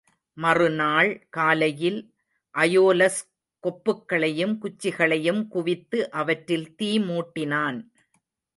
மறு நாள் காலையில் அயோலஸ் கொப்புக்களையும் குச்சிகளையும் குவித்து, அவற்றில் தீ மூட்டினான்.